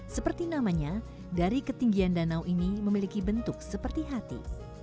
seperti namanya dari ketinggian danau ini memiliki bentuk seperti hati